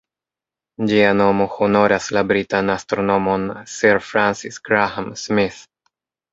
Ĝia nomo honoras la britan astronomon Sir Francis Graham-Smith.